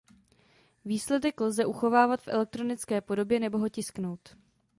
Výsledek lze uchovávat v elektronické podobě nebo ho tisknout.